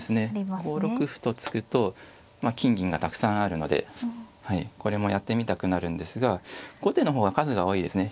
５六歩と突くと金銀がたくさんあるのでこれもやってみたくなるんですが後手の方が数が多いですね。